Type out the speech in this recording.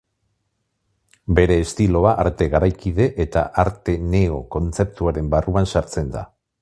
Bere estiloa Arte garaikide eta arte neo-kontzeptuaren barruan sartzen da.